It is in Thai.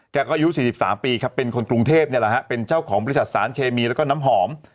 อายุ๔๓ปีครับเป็นคนกรุงเทพนี่แหละฮะเป็นเจ้าของบริษัทสารเคมีแล้วก็น้ำหอม